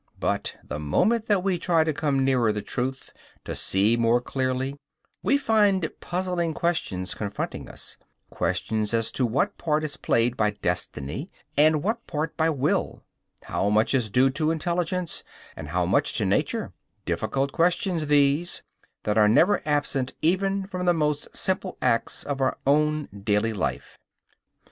But the moment that we try to come nearer the truth, to see more clearly, we find puzzling questions confronting us, questions as to what part is played by destiny and what part by will, how much is due to intelligence and how much to nature; difficult questions, these, that are never absent even from the most simple acts of our own daily life.